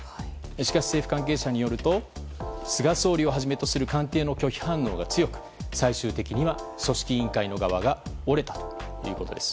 しかし、政府関係者によると菅総理をはじめとする官邸の拒否反応が強く最終的には組織委員会の側が折れたということです。